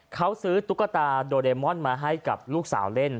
เขาซื้อตุ๊กตาโดเดมอนมาให้กับลูกสาวเล่น